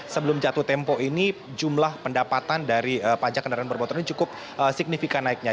sebelum jatuh tempo ini jumlah pendapatan dari pajak kendaraan bermotor ini cukup signifikan naiknya